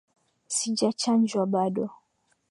Sijachanjwa bado